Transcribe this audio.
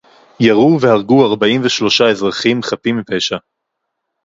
ירו והרגו ארבעים ושלושה אזרחים חפים מפשע